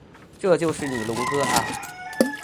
这就是你龙哥呀